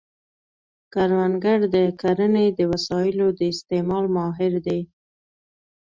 کروندګر د کرنې د وسایلو د استعمال ماهر دی